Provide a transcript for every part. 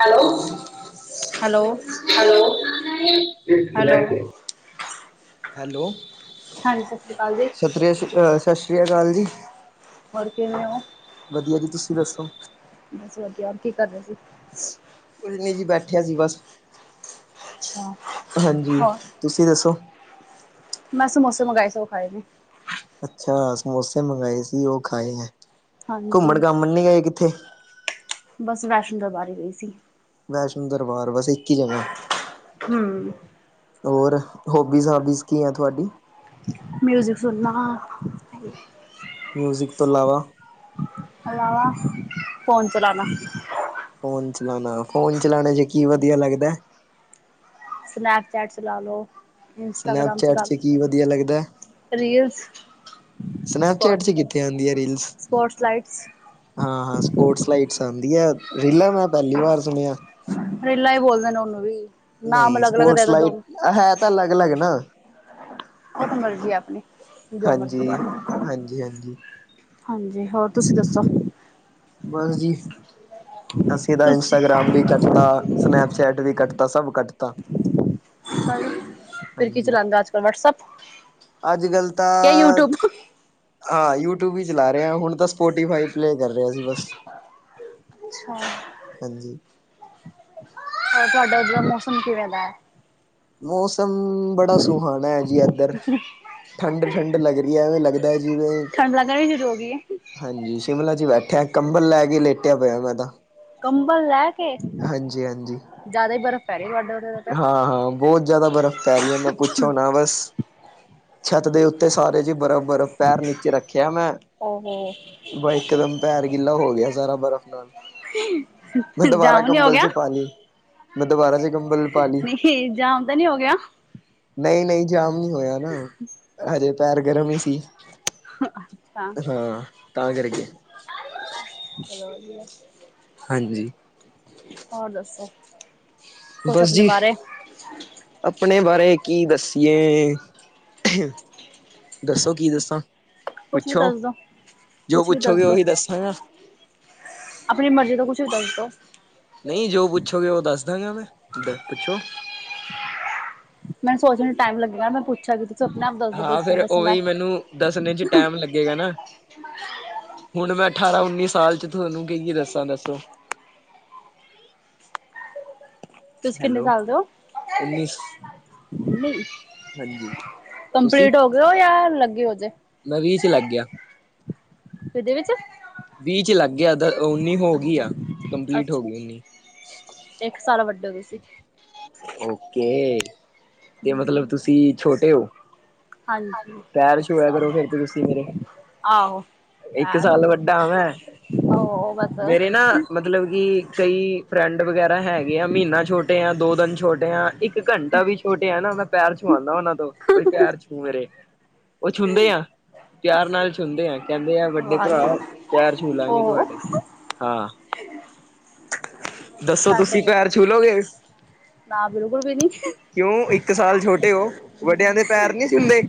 Hello hello hello ਸੁ hello hello, ਹਾਂਜੀ ਸਤਿ ਸ਼੍ਰੀ ਅਕਾਲ ਜੀ। ਸਤਆ ਸ਼ ਅ ਸਤਿ ਸ਼੍ਰੀ ਅਕਾਲ ਜੀ। ਹੋਰ ਕਿਵੇਂ ਹੋ, ਵਧੀਆ ਜੀ ਤੁਸੀਂ ਦੱਸੋ ਬਸ ਵਧੀਆ ਹੋਰ ਕੀ ਕਰ ਰਹੇ ਸੀ? ਕੁਜਨੀ ਜੀ ਬੈਠਿਆ ਸੀ ਬਸ, ਅੱਛਾ ਹਾਂਜੀ ਹੋਰ ਤੁਸੀਂ ਦੱਸੋ ਮੈਂ ਸਮੋਸੇ ਮੰਗਵਾਏ ਸੋ ਖਾਏ ਨੇ। ਅੱਛਾ ਸਮੋਸੇ ਮੰਗਵਾਏ ਸੀ ਉਹ ਖਾਏ ਹੈ, ਘੁੰਮਣ ਹਾਂਜੀ ਘਾਮਣ ਨੀ ਗਏ ਕਿੱਥੇ ਬਸ ਵੈਸ਼ਨੋ ਦਰਬਾਰ ਹੀ ਗਈ ਸੀ। ਵੈਸ਼ਨੋ ਦਰਬਾਰ, ਬਸ ਇੱਕ ਹੀ ਜਗਾ ਹਮ ਹੋਰ, ਹੋਬੀਜ਼- ਹਾਬੀਜ਼ ਕੀ ਹੈ ਤੁਹਾਡੀ ਮਿਊਜ਼ਿਕ ਸੁਣਨਾ ਮਿਊਜ਼ਿਕ ਤੋਂ ਇਲਾਵਾ ਅਲਾਵਾ, ਫੋਨ ਚਲਾਣਾ ਫੋਨ ਚਲਾਉਣਾ, ਫੋਨ ਚਲਾਣੇ ਚ ਕੀ ਵਧੀਆ ਲੱਗਦਾ? ਸਨੈਪਚੈਟ ਚਲਾ ਲੋ। ਇੰਸਟਾਗ੍ਰਾਮ ਸਨੈਪਚੈਟ ਚਲਾ ਚ ਲੋ ਕੀ ਵਧੀਆ ਲੱਗਦਾ ਹੈ? ਰੀਲਸ ਸਪੋਟ ਸਨੈਪਚੈਟ ਚ ਕਿੱਥੇ ਆਉਂਦੀ ਹੈ ਰੀਲਸ ਸਪੋਟਸ ਲਾਈਟਸ ਹਾਂ -ਹਾਂ ਸਪੋਰਟਸ ਲਾਈਟਸ ਆਉਂਦੀਆ, ਰੀਲਾਂ ਮੈਂ ਪਹਿਲੀ ਵਾਰ ਸੁਣਿਆ ਫਰੇਲਾ ਹੀ ਬੋਲਦੇ ਨੇ ਉਹਨੂੰ ਵੀ ਨਾਮ ਨਹੀਂ ਅਲੱਗ ਅਲੱਗ ਦੇ ਸਪੋਰਟਸ ਦੋ ਜੋ ਲਾਈਟ, ਉਹ ਹੈ ਤਾਂ ਅਲੱਗ -ਅਲੱਗ ਨਾ ਉਹ ਮਰਜ਼ੀ ਆਪਣੀ ਜੋ ਮਰਜ਼ੀ ਹਾਂਜੀ। ਬ ਹਾਂਜੀ-ਹਾਂਜੀ ਹਾਂਜੀ, ਹੋਰ ਤੁਸੀਂ ਦੱਸੋ ਬਸ ਜੀ, ਅਸੀਂ ਤਾਂ ਤੁਸੀਂ ਇੰਸਟਾਗ੍ਰਾਮ ਵੀ ਕਰ ਹਾਂ ਸਨੈਪਚੈਟ ਵੀ ਕੱਟਤਾ ਸਭ ਕੱਟਤਾ ਫਿਰ, ਕੀ ਚਲਾਉਦਾ ਅੱਜ ਕੱਲ ਵਟਸਪ ਅੱਜ ਕੱਲ੍ਹ ਤਾਂ, ਹਾਂ ਯੂਟਿਊਬ ਹੀ ਚਲਾ ਰਹੇ ਹ ਹੁਣ ਤਾਂ ਸਪੋਟੀਫਾਈ ਪਲੇ ਕਰ ਰਹਾ [unintelligible] ਅੱਛਾ। ਹਾਂਜੀ। ਹੋਰ ਤੁਵਾਡਾ ਉਧਰ ਮੌਸਮ ਕਿਵੇਂ ਦਾ? ਮੌਸਮ ਬੜਾ ਸੁਹਾਣਾ ਹੈ ਜੀ ਏਦਰ। ਠੰਡ -ਠੰਡ ਲੱਗ ਰਹੀ ਹੈ ਐਵੇਂ ਲੱਗਦਾ ਹੈ ਜਿਵੇਂ ਠੰਡ ਲੱਗਣਾ ਵੀ ਸ਼ੁਰੂ ਹੋ ਗਈਏ ਹਾਂਜੀ ਸ਼ਿਮਲਾ ਚ ਬੈਠਿਆ ਕੰਬਲ ਲੈ ਕੇ ਲੇਟਿਆ ਪਇਆ ਮੈਂ ਤਾਂ ਕੰਬਲ ਲੈ ਕੇ, ਹਾਂਜੀ-ਹਾਂਜੀ। ਜ਼ਿਆਦਾ ਹੀ ਬਰਫ਼ ਪੈ ਰਹੀ ਤੁਹਾਡੇ ਉਡੇ ਦਾ ਫ ਹਾਂ -ਹਾਂ ਬਹੁਤ ਜ਼ਿਆਦਾ ਬਰਫ਼ ਪੈ ਰਹੀ ਹੈ ਮੈਂ ਪੁੱਛੋ ਨਾ, ਬਸ ਛੱਤ ਦੇ ਉੱਤੇ ਸਾਰੇ ਜਿ ਬਰਫ਼ -ਬਰਫ਼ ਪੈਰ ਨੀਚੇ ਰੱਖਿਆ ਮੈਂ ਓਹੋ ਬ ਇਕ ਦਮ ਪੈਰ ਗਿੱਲਾ ਹੋ ਗਿਆ ਸਾਰਾ ਬਰਫ਼ ਨਾਲ ਹਮ ਮੈਂ ਦੁਬਾਰਾ ਕੰਬਲ ਚ ਪਾ ਲਈ ਮੈਂ ਦੁਬਾਰਾ ਚ ਕੰਬਲ ਪਾ ਲਈ। [unintelligible] ਜਾਮ ਤਾਂ ਨੀ ਹੋ ਗਿਆ? ਨਹੀਂ ਨਹੀਂ ਜਾਮ ਨੀ ਹੋਯਾ। ਹਜੇ ਪੈਰ ਗਰਮ ਇ ਸੀ। ਹਾਂ ਤਾਂ ਕਰਕੇ। [inaudible] ਹਾਂਜੀ। ਹੋਰ ਦੱਸੋ? ਕੁਛ ਬਸ ਆਪਣੇ ਜੀ ਬਾਰੇ ਆਪਣੇ ਬਾਰੇ ਕੀ ਦਸੀਏ? ਦੱਸੋ ਕੀ ਦੱਸਾਂ ਕੁਛ ਵੀ ਪੁੱਛੋ। ਦੱਸ ਦੋ ਜੋ ਕੁਛ ਵੀ ਦੱਸ ਪੁੱਛੋਗੇ ਦੋ ਉਹੀ ਦੱਸਾਂਗਾ। ਆਪਣੀ ਮਰਜ਼ੀ ਤੋ ਕੁਛ ਵੀ ਦੱਸੋ। ਨਹੀਂ ਜੋ ਪੁੱਛੋਗੇ ਉਹ ਦੱਸ ਦਾਂਗੇ ਮੈਂ ਪੁੱਛੋ। ਮੈਨੂੰ ਸੋਚਣ ਚ ਟਾਈਮ ਲਗੇਗਾ ਮੈਂ ਪੁੱਛਿਆ ਕਿ ਤੁਸੀਂ ਆਪਣੇ ਆਪ ਦੱਸੋ ਕੀ ਦੱਸਣਾ। ਦੱਸਨ ਚ ਟੈਮ ਲੱਗੇਗਾ ਨਾ। ਹੁਣ ਮੈਂ ਅਠਾਰਾਂ ਉੱਨੀ ਸਾਲ ਚ ਤੁਹਾਨੂੰ ਕਿ ਕਿ ਦੱਸਾਂ ਦੱਸੋ। ਤੁਸੀਂ ਕਿੰਨੇ ਹੈਲੋ ਸਾਲ ਦੇ ਹੋ ਉਨਿਸ। ਤੁਸੀਂ ਕੰਪਲੀਟ ਹੋਗੇ ਓ ਯਾ ਲੱਗੇ ਓ ਹਲੇ? ਮੈਂ ਵੀਹ ਚ ਲੱਗ ਗਿਆ। ਕਿਦੇ ਵਿੱਚ? ਵੀਹ ਚ ਲੱਗ ਗਿਆ ਉੱਨੀ ਹੋਗੀ ਆ ਕੰਪਲੀਟ ਅੱਛਾ ਹੋਗੀ ਅੱਛਾ ਉੱਨੀ। ਇੱਕ ਸਾਲ ਵੱਡੇ ਓ ਤੁਸੀ। ਓਕੇ ਤੇ ਮਤਲਬ ਹਮ ਤੁਸੀਂ ਛੋਟੇ ਹੋ? ਹਾਂਜੀ ਪੈਰ ਇੱਕ ਛੁਯਾ ਸਾਲ ਕਰੋ ਫੇਰ ਤਾਂ ਤੁਸੀਂ ਮੇਰੇ। ਆਹੋ ਇੱਕ ਪੈਰ ਸਾਲ ਵੱਡਾ ਆ ਮੈਂ ਉਹ ਮੇਰੇ ਬਸ ਨਾ। ਮਤਲਬ ਕਿ ਕਈ ਫਰੈਂਡ ਵਗੈਰਾ ਹੈਗੇ ਆ ਮਹੀਨਾ ਛੋਟੇ ਆ ਦੋ ਦਿਨ ਛੋਟੇ ਆ ਇੱਕ। ਇੱਕ ਘੰਟਾ ਵੀ ਛੋਟੇ ਆ ਨਾ ਮੈਂ ਪੈਰ ਛੂਆਉਂਦਾ ਉਹਨਾ ਤੋਂ ਬਈ ਪੈਰ ਛੂ ਮੇਰੇ। ਉਹ ਛੁੰਦੇ ਆ। ਪਿਆਰ ਨਾਲ ਛੁਦੇ ਆ ਕਹਿੰਦੇ ਆ ਵੱਡੇ ਭਰਾ ਪਿਆਰ ਛੂ ਲਾਂਗੇ ਉਹ ਤੁਵਾਡੇ। ਹਾਂ। ਦੱਸੋ ਸਾਡੇ ਤੁਸੀਂ ਕੇ ਪੈਰ ਛੂਲੋਗੇ? ਨਾ ਬਿਲਕੁਲ ਵੀ ਨੀ। ਕਿਉਂ ਇੱਕ ਸਾਲ ਛੋਟੇ ਹੋ ਵੱਡਿਆਂ ਦੇ ਪੈਰ ਨੀ ਛੂੰਦੇ।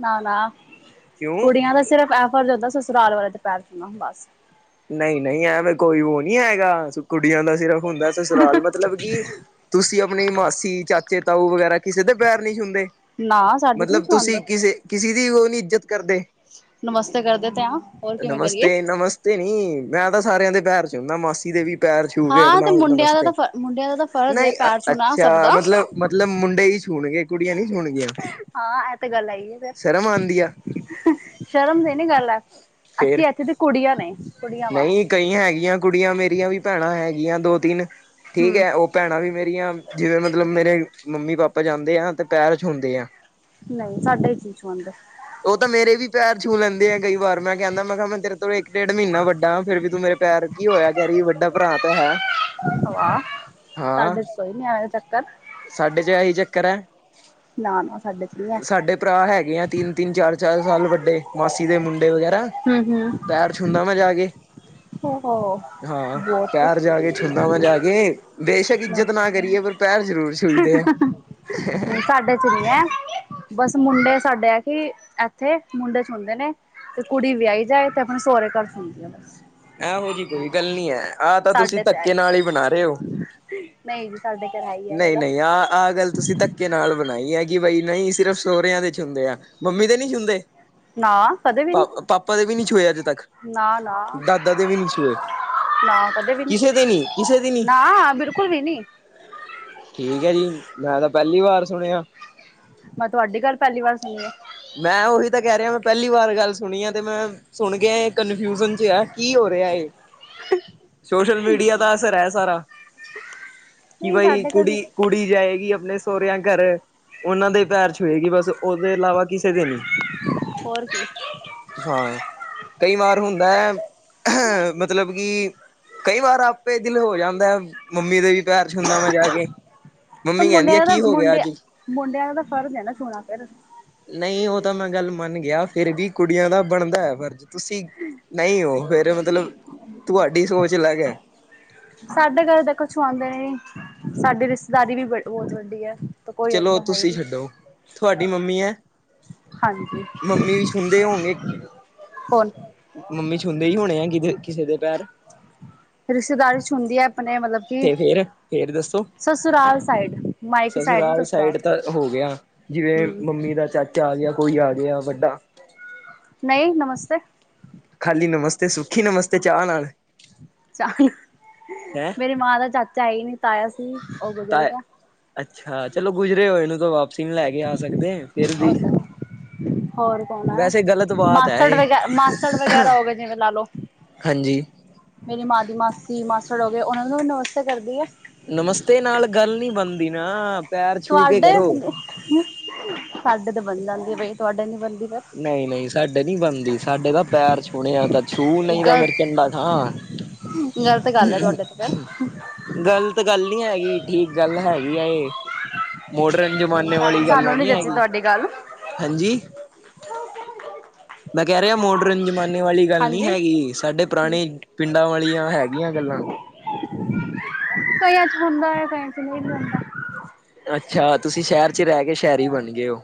ਨਾ ਨਾ ਕਿਉਂ? ਕੁੜੀਆਂ ਦਾ ਸਿਰਫ਼ ਇਹ ਫਰਜ਼ ਹੁੰਦਾ ਸਸੁਰਾਲ ਵਾਲੇ ਤੇ ਪੈਰ ਛੂਨਾ ਬਸ। ਨਹੀਂ ਨਹੀਂ ਐਵੇਂ ਕੋਈ ਉਹ ਨੀ ਹੈਗਾ ਕੁੜੀਆਂ ਦਾ ਸਿਰਫ਼ ਹੁੰਦਾ ਸਸੁਰਾਲ ਮਤਲਬ ਕਿ, ਤੁਸੀਂ ਆਪਣੀ ਮਾਸੀ ਚਾਚੇ ਤਾਊ ਵਗੈਰਾ ਕਿਸੇ ਦੇ ਪੈਰ ਨੀ ਛੂੰਦੇ? ਨਾ ਸਾਡੇ ਤੇ ਨੀ ਮਤਲਬ ਛੁਆਂਦੇ ਤੁਸੀਂ ਕਿਸੇ ਕਿਸੀ ਦੀ ਉਹ ਨੀ ਇੱਜਤ ਕਰਦੇ? ਨਮਸਤੇ ਕਰਦੇ ਤੇ ਆ ਹੋਰ ਕਿਵੇਂ ਕਰੀਏ? ਤੇ ਨੀ ਮੈਂ ਤਾਂ ਸਾਰਿਆਂ ਦੇ ਪੈਰ ਚ ਹੁੰਦਾ ਮਾਸੀ ਦੇ ਵੀ। ਪੈਰ ਛੂਹ ਕੇ ਹਾਂ ਤੇ ਆਪਣਾ ਮੁੰਡਿਆਂ ਦਾ ਨਮਸਤੇ ਤਾਂ ਮੁੰਡਿਆਂ ਦਾ ਤਾਂ ਫਰਜ਼ ਹੈ ਨਹੀਂ ਪੈਰ ਛੂਣਾ ਸਭ ਅੱਛਾ ਦਾ ਮਤਲਬ ਮਤਲਬ ਮੁੰਡੇ ਹੀ ਛੂਣਗੇ? ਕੁੜੀਆਂ ਨੀ ਛੂੰਨ ਗੀਆ ਹਾਂ ਇਹ ਤੇ ਗੱਲ ਹੈਗੀ ਹੈ ਫਿਰ ਸ਼ਰਮ ਆਂਦੀ ਆ? ਸ਼ਰਮ ਦੀ ਨੀ ਗੱਲ ਹੈ ਫੇਰ ਅਸੀਂ ਇੱਥੇ ਦੀ ਕੁੜੀਆਂ ਨੇ। ਕੁੜੀਆਂ ਵਾਂ ਨਹੀਂ ਕਈ ਹੈਗੀਆਂ ਕੁੜੀਆਂ ਮੇਰੀਆਂ ਵੀ ਭੈਣਾਂ ਹੈਗੀਆਂ ਦੋ ਤਿੰਨ ਠੀਕ ਹਮ ਹੈ। ਭੈਣਾਂ ਵੀ ਮੇਰੀਆਂ ਜਿਵੇਂ ਮਤਲਬ ਮੇਰੇ ਮੰਮੀ ਪਾਪਾ ਜਾਂਦੇ ਆ ਤੇ ਪੈਰ ਛੂੰਦੇ ਆ। ਨਹੀਂ ਸਾਡੇ ਚ ਨੀ ਛੂਆਂਦੇ। ਉਹ ਤਾਂ ਮੇਰੇ ਵੀ ਪੈਰ ਛੂ ਲੈਂਦੇ ਆ ਕਈ ਵਾਰ ਮੈਂ ਕਹਿੰਦਾ ਮੈਂ ਕਿਹਾ ਮੈਂ ਤੇਰੇ ਤੋਂ ਵੀ, ਡੇਢ ਮਹੀਨਾ ਵੱਡਾ ਫ਼ੇਰ ਵੀ ਤੂੰ ਮੇਰੇ ਪੈਰ ਕੀ ਹੋਇਆ ਕਹਿ ਰਹੀ ਵੱਡਾ ਭਰਾ ਤਾਂ ਹੈ। ਵਾਹ ਹਾਂ ਸਾਡੇ ਚ ਕੋਈ ਨੀ ਐਵੇਂ ਚੱਕਰ। ਸਾਡੇ ਚ ਇਹੀ ਚੱਕਰ ਹੈ ਨਾ ਨਾ ਸਾਡੇ ਚ ਨਹੀਂ ਹੈ ਸਾਡੇ ਭਰਾ ਹੈਗੇ ਆ ਤਿੰਨ ਤਿੰਨ ਚਾਰ ਚਾਰ ਸਾਲ ਵੱਡੇ ਮਾਸੀ ਦੇ ਮੁੰਡੇ ਵਗੈਰਾ ਹਮ ਹਮ ਪੈਰ ਛੁੰਦਾ ਮਾ ਜਾ ਕੇ ਹੋ ਹਾਂ ਬਹੁਤ ਪੈਰ ਜਾ ਕੇ ਛੁੰਦਾ ਮਾ ਜਾ ਕੇ ਬੇਸ਼ਕ ਇੱਜ਼ਤ ਨਾ ਕਰੀਏ ਪਰ ਪੈਰ ਜ਼ਰੂਰ ਛੂਈਦੇ ਆ ਨਹੀਂ ਸਾਡੇ ਚ ਨਹੀਂ ਹੈ ਬਸ ਮੁੰਡੇ ਸਾਡੇ ਆ ਕਿ ਇੱਥੇ ਮੁੰਡੇ ਸ਼ੁੰਦੇ ਨੇ ਤੇ ਕੁੜੀ ਵਿਆਹੀ ਜਾਏ ਤੇ ਆਪਣੇ ਸਹੁਰੇ ਘਰ ਚਲੀ ਜਾਵੇ ਬਸ ਇਹੋ ਜਹੀ ਕੋਈ ਗੱਲ ਨੀ ਹੈ ਆਹ ਤਾਂ ਤੁਸੀਂ ਸਾਡੇ ਤੇ ਆਏ ਧੱਕੇ ਨਾਲ ਹੀ ਬਣਾ ਰਹੇ ਹੋ ਨਹੀਂ ਜੀ ਸਾਡੇ ਕ ਨਹੀਂ ਨਹੀਂ ਆਹ ਆਹ ਗੱਲ ਤੁਸੀਂ ਧੱਕ ਕੇ ਨਾਲ ਬਣਾਈ ਹੈ ਕਿ ਬਈ ਨਹੀਂ ਸਿਰਫ ਸੋਹੁਰਿਆਂ ਦੇ ਛੁੰਦੇ ਆ ਮੰਮੀ ਤੇ ਨਹੀਂ ਛੁੰਦੇ ਨਾ ਕਦੇ ਵੀ ਨੀ ਛੂਏ ਅੱਜ ਤੱਕ ਨਾ ਨਾ ਦਾਦਾ ਦੇ ਵੀ ਨਹੀਂ ਛੂਏ। ਨਾ ਕਦੇ ਵੀ ਨੀ ਕਿਸੇ ਦੇ ਕਿਸੇ ਦੀ ਨੀ ਨਾ ਬਿਲਕੁਲ ਵੀ ਨੀ ਠੀਕ ਹੈ ਜੀ ਮੈਂ ਤਾਂ ਪਹਿਲੀ ਵਾਰ ਸੁਣਿਆ ਮੈਂ ਤੁਹਾਡੀ ਗੱਲ ਪਹਿਲੀ ਵਾਰ ਸੁਣੀ ਆ ਮੈਂ ਉਹੀ ਤਾਂ ਕਹਿ ਰਿਹਾ ਮੈਂ ਪਹਿਲੀ ਵਾਰ ਗੱਲ ਸੁਣੀ ਆ ਤੇ ਮੈਂ ਸੁਣ ਗਿਆ ਇਹ ਕਨਫਿਊਜ਼ਨ ਚ ਆ ਕੀ ਹੋ ਰਿਹਾ ਇਹ ਸੋਸ਼ਲ ਮੀਡੀਆ ਦਾ ਅਸਰ ਹੈ ਸਾਰਾ ਕਿ ਨਹੀਂ ਬਾਈ ਸਾਡੇ ਘਰ ਕੁੜੀ ਕੁੜੀ ਜਾਏਗੀ ਆਪਣੇ ਸਹੁਰਿਆਂ ਘਰ ਉਹਨਾਂ ਦੇ ਪੈਰ ਛੂਏ ਗਈ ਬਸ ਉਹਦੇ ਇਲਾਵਾ ਕਿਸ ਹੋਰ ਕੀ ਹਾਂ ਕਈ ਵਾਰ ਹੁੰਦਾ ਹੈ ਮਤਲਬ ਕਿ ਕਈ ਵਾਰ ਆਪੇ ਦਿਲ ਹੋ ਜਾਂਦਾ ਹੈ ਮੰਮੀ ਦੇ ਵੀ ਪਿਆਰ ਸੁਦਾ ਮੈਂ ਜਾ ਕੇ ਮੰਮੀ ਕਹਿੰਦੀ ਆ ਮੁੰਡਿਆਂ ਦਾ ਕੀ ਹੋ ਗਿਆ ਮੁੰਡੇ ਅੱਜ ਮੁੰਡਿਆਂ ਦਾ ਫਰਜ਼ ਹੈ ਨਾ ਸੋਣਾ ਫਿਰ ਨਹੀਂ ਉਹ ਤਾਂ ਮੈਂ ਗੱਲ ਮੰਨ ਗਿਆ ਫਿਰ ਵੀ ਕੁੜੀਆਂ ਦਾ ਬਣਦਾ ਹੈ ਫਰਜ਼ ਤੁਸੀਂ ਨਹੀਂ ਹੋ ਫਿਰ ਮਤਲਬ ਤੁਹਾਡੀ ਸੋਚ ਅਲਗ ਹੈ ਸਾਡੇ ਘਰ ਤਾਂ ਕੁਛ ਆਉਂਦੇ ਨ ਨ ਸਾਡੀ ਰਿਸ਼ਤੇਦਾਰੀ ਵੀ ਬਹੁਤ ਵੱਡੀ ਹੈ ਤਾਂ ਕੋਈ ਚਲੋ ਏਦਾਂ ਹੈ ਹੀ ਤੁਸੀਂ ਨਹੀਂ ਛੱਡੋ ਤੁਹਾਡੀ ਮੰਮੀ ਹੈ ਹਾਂਜੀ ਮੰਮੀ ਵੀ ਛੁੰਦੇ ਹੋਣਗੇ ਕੌਣ ਮੰਮੀ ਛੁੰਦੇ ਹੀ ਹੋਣੇ ਆ ਕਿ ਕਿਸੇ ਦੇ ਪੈਰ ਰਿਸ਼ਤੇਦਾਰੀ ਚ ਹੁੰਦੀ ਹੈ ਆਪਣੇ ਮਤਲਬ ਕਿ ਤੇ ਫਿਰ ਫਿਰ ਦੱਸੋ ਸਸੁਰਾਲ ਸਾਈਡ ਮਾਇਕੇ ਸਸੁਰਾਲ ਸਾਈਡ ਤਾਂ ਹੋ ਗਿਆ ਜਿਵੇਂ ਹਮ ਮੰਮੀ ਦਾ ਚਾਚਾ ਆ ਗਿਆ ਕੋਈ ਆ ਗਿਆ ਵੱਡਾ ਨਹੀਂ ਨਮਸਤੇ ਖਾਲੀ ਨਮਸਤੇ ਸੁਖੀ ਨਮਸਤੇ ਚਾਹ ਨਾਲ ਚਾਹ ਹੈ ਚਾਈ ਨ ਤਾਇਆ ਸੀ ਉਹ ਤਾਂ ਬੁਰਜਗ ਅੱਛਾ ਚਲੋ ਗੁਜਰੇ ਹੋਏ ਇਹਨੂੰ ਤਾਂ ਵਾਪਸੀ ਨਹੀਂ ਲੈ ਕੇ ਆ ਸਕਦੇ ਫਿਰ ਵੀ ਹੋਰ ਕੌਣਾ ਵੈਸੇ ਗ਼ਲਤ ਬਾਤ ਹੈ ਮਾਸੜ ਇਹ ਵ ਮਾਸੜ ਵਗੈਰਾ ਹੋ ਗ ਜਿਵੇਂ ਲਾ ਲੋ ਹਾਂਜੀ ਮੇਰੀ ਮਾਂ ਦੀ ਮਾਸੀ ਮਾਸੜ ਹੋ ਗਏ ਉਹਨਾ ਨੂੰ ਵੀ ਨਮਸਤੇ ਕਰਦੀ ਆ ਨਮਸਤੇ ਨਾਲ ਗੱਲ ਨੀ ਬਣਦੀ ਨਾ ਪੈਰ ਛੂਹ ਕੇ ਤੁਹਾਡੇ ਕਰੋ ਸਾਡੇ ਤੇ ਬਣ ਜਾਂਦੀ ਆ ਬਈ ਤੁਹਾਡੇ ਨੀ ਬਣਦੀ ਫਿਰ। ਨਹੀਂ ਨਹੀਂ ਸਾਡੇ ਨੀ ਬਣਦੀ ਸਾਡੇ ਤਾਂ ਪੈਰ ਛੂਣਿਆ ਤਾਂ। ਛੂਹ, ਨਹੀਂ ਤਾਂ ਫੇਰ ਗਲਤ ਚੰਡਾ ਖਾ। ਗ਼ਲਤ ਗੱਲ ਹੈ ਤੁਹਾਡੇ ਤੇ ਫਿਰ ਗਲਤ ਗੱਲ ਨੀ ਹੈਗੀ ਠੀਕ ਗੱਲ ਹੈਗੀ ਆ ਇਹ ਮੋਡਰਨ ਜ਼ਮਾਨੇ ਵਾਲੀ ਗੱਲ ਸਾਨੂੰ ਨੀ ਨਹੀਂ ਜੱਚੀ ਹੈਗੀ ਤੁਹਾਡੀ ਗੱਲ ਹਾਂਜੀ ਮੈਂ ਕਹਿ ਰਿਹਾ ਮੋਡਰਨ ਜ਼ਮਾਨੇ ਵਾਲੀ ਗੱਲ ਨਹੀਂ ਹਾਂਜੀ ਹੈਗੀ ਸਾਡੇ ਹੂੰ ਪੁਰਾਣੇ ਪਿੰਡਾਂ ਵਾਲੀਆਂ ਹੈਗੀਆਂ ਗੱਲਾਂ ਕਈਆਂ ਚ ਹੁੰਦਾ ਹੈ ਕਈਆਂ ਚ ਨਹੀਂ ਵੀ ਹੁੰਦਾ ਅੱਛਾ ਤੁਸੀਂ ਸ਼ਹਿਰ ਚ ਰਹਿ ਕੇ ਸ਼ਹਿਰ ਹੀ ਬਣ ਗਏ ਹੋ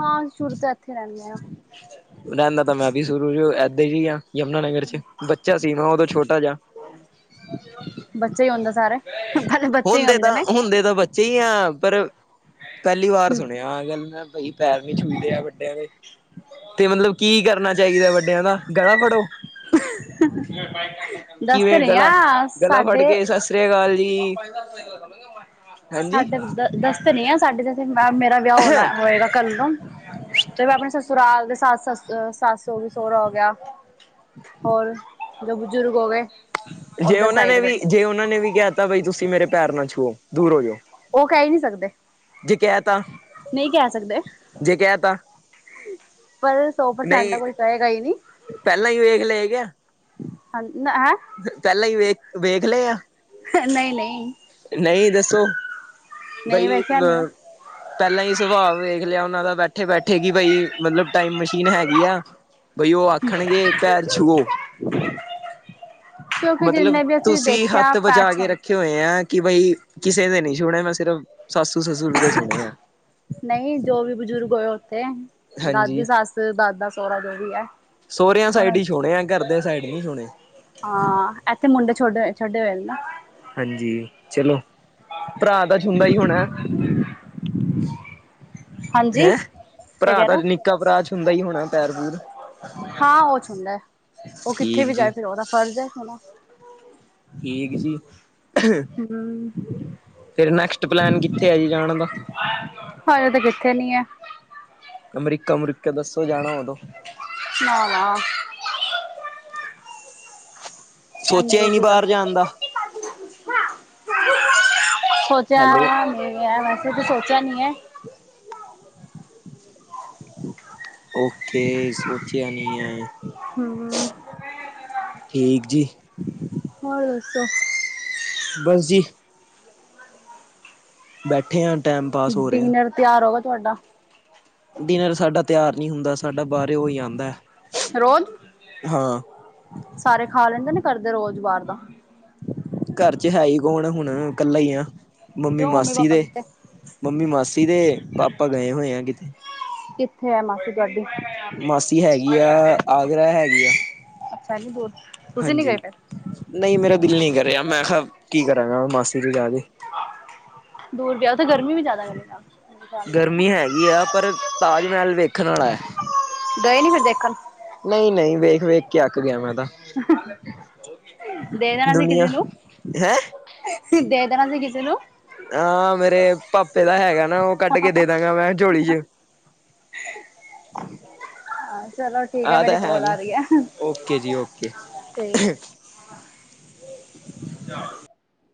ਹਾਂ ਸ਼ੁਰੂ ਤੋਂ ਇੱਥੇ ਰਹਿੰਦੇ ਹਾਂ ਰਹਿਣਾ ਤਾਂ ਮੈਂ ਸ਼ੁਰੂ ਇਧਰ ਹੀ ਆ ਯਮੁਨਾਨਗਰ ਚ ਬੱਚਾ ਸੀਗਾ ਦੋਂ ਛੋਟਾ ਜਿਹਾ ਬੱਚੇ ਹੀ ਹੁੰਦੇ ਸਾਰੇ ਪਹਿਲੇ ਬੱਚੇ ਹੀ ਹੁੰਦੇ ਤਾਂ, ਨੇ ਹੁੰਦੇ ਤਾਂ ਬ। ਸਹੀ ਆ ਪਰ ਪਹਿਲੀ ਵਾਰ ਸੁਣਿਆ ਆ ਗੱਲ ਨਾ ਬਾਈ ਪੈਰ ਨੀ ਛੂਹਦੇ ਆ ਵੱਡਿਆਂ ਦੇ। ਤੇ ਮਤਲਬ ਕੀ ਕਰਨਾ ਚਾਹੀਦਾ ਵੱਡਿਆਂ ਦਾ ਗਲਾ ਫੜੋ? [unintelligible] ਦੱਸ ਤਾਂ ਕਿਵੇਂ ਰਹੇ ਆ ਗਲਾ ਗਲਾ ਸਾਡੇ। ਫੜ ਕੇ ਸਤਿ ਸ੍ਰੀ ਅਕਾਲ ਜੀ ਹਾਂਜੀ ਸਾਡੇ ਦ ਦਸ ਤਾਂ ਰਹੀ ਆ ਸਾਡੇ ਜੇ ਮੇਰਾ ਵਿਆਹ ਹੋਣਾ ਹੋਏਗਾ ਕੱਲ ਨੂੰ। ਤੇ ਮੈ ਆਪਣੇ ਸਸੁਰਾਲ ਦੇ ਸੱਸ ਸੱਸ ਸੱਸ ਹੋ ਗਈ ਸਹੁਰਾ ਹੋ ਗਿਆ। ਹੋਰ ਜੋ ਬਜ਼ੁਰਗ ਹੋ ਗਏ। ਜੇ ਉੱਧਰ ਉਹਨਾਂ ਸਾਈਡ ਨੇ ਦੇ ਵੀ ਜੇ ਉਹਨਾਂ ਨੇ ਵੀ ਕਹਿ ਤਾ ਬਈ ਤੁਸੀਂ ਮੇਰੇ ਪੈਰ ਨਾਲ ਛੂਹੋ ਦੂਰ ਹੋ ਜਾਓ। ਉਹ ਕਹਿ ਹੀ ਨਹੀਂ ਸਕਦੇ ਜੇ ਕਹਿ ਤਾ ਨਹੀਂ ਕਹਿ ਸਕਦੇ। ਜੇ ਕਹਿ ਤਾ ਪਰ ਸੌ ਪ੍ਰਸੈਂਟ ਨਹੀਂ ਤਾਂ ਕੋਈ ਕਹੇਗਾ ਹੀ ਨਹੀ। ਪਹਿਲਾਂ ਹੀ ਵੇਖ ਲਿਆ ਕਿਆ। ਹਾਂ ਜੀ ਨਾ ਹੈ? ਪਹਿਲਾਂ ਹੀ ਵੇਖ ਵੇਖ ਲਏ ਆ? ਨਹੀਂ ਨਹੀਂ ਨਹੀਂ, ਦੱਸੋ ਨਹੀਂ ਬਈ ਵੇਖਿਆ ਨਹੀਂ ਅ। ਪਹਿਲਾਂ ਹੀ ਸੁਭਾਅ ਵੇਖ ਲਿਆ ਉਹਨਾਂ ਦਾ ਬੈਠੇ ਬੈਠੇ ਕਿ ਬਈ ਮਤਲਬ ਟਾਈਮ ਮਸ਼ੀਨ ਹੈਗੀ ਆ। ਬਈ ਉਹ ਆਖਣਗੇ ਪੈਰ ਛੂਹੋ। ਕਿਉਂਕਿ ਮਤਲਬ, ਜਿੰਨੇ ਵੀ ਅਸੀਂ ਤੁਸੀਂ ਦੇਖਿਆ ਹੱਥ ਬਚਾ ਕੇ ਪੈਟਸਨ ਰੱਖੇ। ਤੇ ਹੋਏ ਆ ਕਿ ਬਈ ਕਿਸੇ ਦੇ ਨੀ [unintelligible] ਮੈਂ ਸਿਰਫ ਸੱਸੂ ਸਸੂਰ ਦੇ [unintelligible] ਆ। ਨਹੀਂ ਜੋ ਵੀ ਬਜ਼ੁਰਗ ਹੋਏ ਉੱਥੇ ਹਾਂਜੀ ਦਾਦੀ ਸੱਸ ਦਾਦਾ ਸਹੁਰਾ ਜੋ ਵੀ ਹੈ। ਸੋਹਰਿਆਂ ਹੁਣ ਸਾਈਡ ਹੀ ਛੋਹਣੇ ਆ ਘਰ ਦੇ ਸਾਈਡ ਨੀ ਛੋਹਣੇ। ਹਾਂ ਇੱਥੇ ਮੁੰਡੇ ਛੋਡੇ ਛੋਡੇ ਹੋਏ ਨਾ। ਹਾਂਜੀ ਚਲੋ ਭਰਾ ਤਾਂ [unintelligible] ਹੀ ਹੋਣਾ। ਹਾਂਜੀ ਹੈਂ? ਕਿਆ ਭਰਾ ਕਹਿ ਰਹੇ ਤਾਂ ਹੋ ਨਿੱਕਾ ਭਰਾ ਛੋਹਦਾ ਹੁੰਦਾ ਹੀ ਹੋਣਾ ਪੈਰ ਪੂਰ। ਹਾਂ ਉਹਛੋਹੁੰਦਾ ਹੈ। ਉਹ ਕਿੱਥੇ ਵੀ ਠੀਕ ਜੀ ਜਾਏ ਫਿਰ ਉਹਦਾ ਫਰਜ਼ ਹੈ ਉਹਨੂੰ। ਠੀਕ ਜੀ। ਹਮ ਫਿਰ ਨੈਕਸਟ ਪਲੈਨ ਕਿੱਥੇ ਆ ਜੀ ਜਾਣ ਦਾ? ਹਜੇ ਤਾਂ ਕਿੱਥੇ ਨੀ ਹੈ। ਅਮਰੀਕਾ, ਅਮਰੀਕਾ ਦੱਸੋ ਜਾਣਾ ਹੋਏ ਤੇ। ਨਾ ਨਾ। ਇੰਨੀ ਸੋਚਿਆ ਹੀ ਦੂਰ ਨਹੀਂ ਦੀ ਗੱਲ। ਬਾਹਰ ਜਾਣ ਦਾ ਸੋਚਿਆ, ਹੈਲੋ ਮੇਰੇ ਵਿਆਹ ਵੈਸੇ ਤਾਂ ਸੋਚਿਆ ਨੀ ਹੈ। ਹਮ। ਓਕੇ ਸੋਚਿਆ ਨੀ ਏ ਹਮ ਠੀਕ ਜੀ। ਹੋਰ ਦੱਸੋ? ਬਸ ਜੀ ਬੈਠੇ ਆਂ, ਟਾਈਮ ਪਾਸ ਹੋ ਰਿਹਾ ਤੈਆਰ ਹੋਗਾ ਤੁਹਾਡਾ। ਡਿਨਰ ਸਾਡਾ ਤਿਆਰ ਨਹੀਂ ਹੁੰਦਾ, ਸਾਡਾ ਬਾਹਰ ਹੋ ਹੀ ਆਉਂਦਾ, ਰੋਜ਼ ਹਾਂ। ਸਾਰੇ ਖਾ ਲੈਂਦੇ ਨੇ ਘਰ ਦੇ, ਰੋਜ਼ ਬਾਹਾਰ ਦਾ। ਘਰ ਚ ਹੈ ਹੀ ਕੌਣ ਹੁਣ ਕੱਲਾ ਈ ਆ। ਮੰਮੀ ਕਿਉਂ ਮਾਸੀ ਪਾਪਾ ਦੇ ਕਿੱਥੇ ਮੰਮੀ ਮਾਸੀ ਦੇ ਪਾਪਾ ਗਏ ਹੋਏ ਆ ਕਿਤੇ। ਕਿੱਥੇ ਆ ਮਾਸੀ ਤੁਹਾਡੀ? ਮਾਸੀ ਹੈਗੀ ਆ ਆਗਰਾ ਹੈਗੀ ਆ [inaudible] ਹਾਂਜੀ ਗਏ ਫਿਰ ਨਹੀਂ ਮੇਰਾ ਦਿਲ ਨਹੀਂ ਕਰ ਰਿਹਾ ਮੈਂ ਕਿਹਾ ਕੀ ਕਰਾਂਗਾ ਮਾਸੀ ਦੇ ਜਾ ਕੇ। ਦੂਰ ਵਿਆਹ ਤਾਂ ਗਰਮੀ ਵੀ ਜ਼ਿਆਦਾ ਹਲੇ ਤਾਂ। ਗਰਮੀ ਹੈਗੀ ਆ, ਪਰ ਤਾਜ ਮਹਿਲ ਵੇਖਣ ਵਾਲਾ ਹੈ। ਗਏ ਨਹੀਂ ਫਿਰ ਦੇਖਣ? ਨਹੀਂ ਨਹੀਂ ਵੇਖ ਵੇਖ ਕੇ ਅੱਕ ਗਿਆ ਮੈਂ ਤੇ। ਦੇਣਾ ਸੀ ਦੁਨੀਆਂ ਕਿਸੇ ਨੂੰ ਹੈਂ? ਦੇ ਦਣਾ ਸੀ ਕਿਸੇ ਨੂੰ। ਹਾਂ ਮੇਰੇ ਪਾਪੇ ਦਾ ਹੈਗਾ ਨਾ, ਉਹ ਕੱਢ ਕੇ ਦੇ ਦਾਂਗਾ ਮੈਂ ਝੋਲੀ ਚ। ਹਾਂ [unintelligible] ਹਾਂ, ਚਲੋ ਠੀਕ ਆ ਮੇਰੀ ਕੋਲ ਆ ਰਹੀ ਐ, ਓਕੇ ਜੀ ਓਕੇ ਠੀਕ। [inaudible]